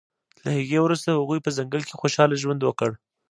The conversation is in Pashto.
له هغې وروسته هغوی په ځنګل کې خوشحاله ژوند وکړ